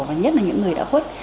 và nhất là những người đã khuất